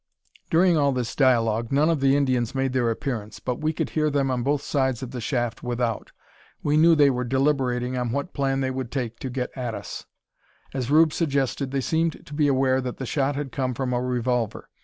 During all this dialogue none of the Indians made their appearance, but we could hear them on both sides of the shaft without. We knew they were deliberating on what plan they would take to get at us. As Rube suggested, they seemed to be aware that the shot had come from a revolver.